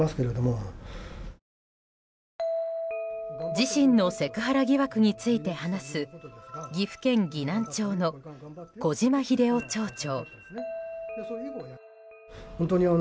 自身のセクハラ疑惑について話す岐阜県岐南町の小島英雄町長。